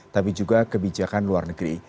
tapi juga kebijakan luar negeri